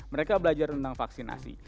mereka belajar tentang vaksinasi